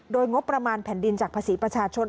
โดยงบประมาณแผ่นดินจากภาษีประชาชน